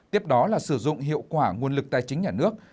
tiếp đó là sử dụng hiệu quả nguồn lực tài chính nhà nước